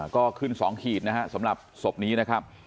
ก็ขึ้น๒ขีดนะฮะสำหรับศพนี้นะครับ